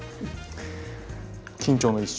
緊張の一瞬。